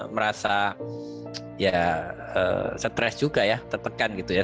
merasa ya stres juga ya tertekan gitu ya